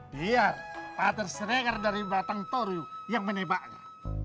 biar pak tersrekar dari batang toriu yang menebaknya